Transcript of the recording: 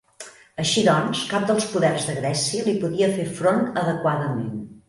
Així doncs cap dels poders de Grècia li podia fer front adequadament.